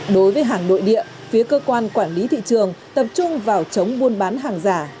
đối với hàng nội địa phía cơ quan quản lý thị trường tập trung vào chống buôn bán hàng giả